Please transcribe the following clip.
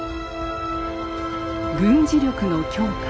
軍事力の強化。